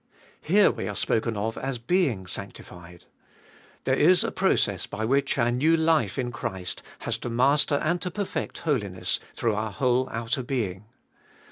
Here we are spoken of as being sanctified. There is a process by which our new life in Christ has to master and to perfect holiness through our whole outer being.